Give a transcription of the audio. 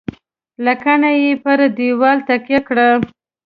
. لکڼه یې پر دېوال تکیه کړه .